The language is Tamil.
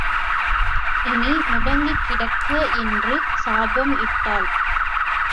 இனி முடங்கிக் கிடக்க என்று சாபம் இட்டாள்.